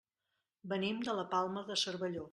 Venim de la Palma de Cervelló.